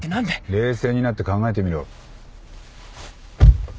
冷静になって考えてみろ。